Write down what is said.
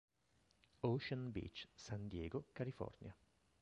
Ocean Beach, San Diego, California.